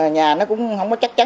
nhà nó cũng không chắc chắn